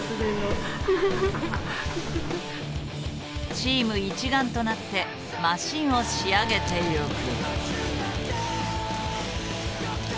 チーム一丸となってマシンを仕上げてゆく。